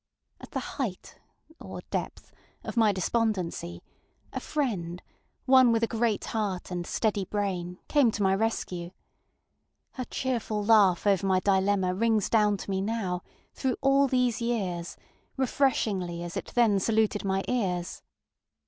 At the heightŌĆöor depthŌĆöof my despondency a friend, one with a great heart and steady brain, came to my rescue. Her cheerful laugh over my dilemma rings down to me now, through all these years, refreshingly as it then saluted my ears.